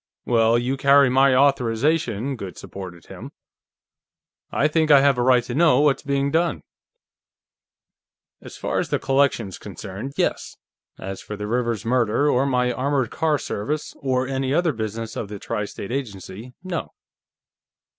"Well, you carry my authorization," Goode supported him. "I think I have a right to know what's being done." "As far as the collection's concerned, yes. As for the Rivers murder, or my armored car service, or any other business of the Tri State Agency, no."